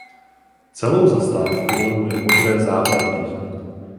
Celou zastávku lemuje modré zábradlí.